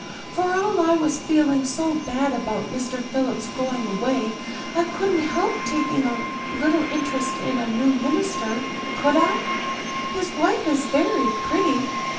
For all I was feeling so bad about Mr. Phillips going away I couldn't help taking a little interest in a new minister, could I? His wife is very pretty.